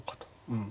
うん。